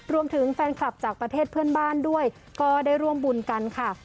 รวมถึงแฟนคลับจากประเทศเพื่อนบ้านด้วยก็ได้ร่วมบุญกันค่ะ